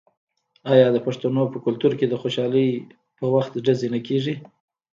آیا د پښتنو په کلتور کې د خوشحالۍ په وخت ډزې نه کیږي؟